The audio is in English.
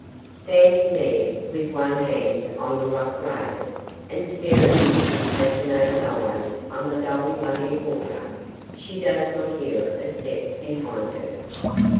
Standing there, with one hand on the rough rail, and staring with fascinated eyes on the dull muddy water, she does not hear a step behind her.